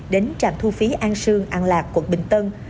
đến trạm thu phí an sương an lạc quận bình tân